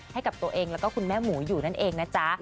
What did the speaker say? ให้กับตัวเองแล้วก็คุณแม่หมูอยู่นั่นเองนะจ๊ะ